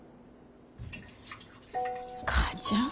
母ちゃん。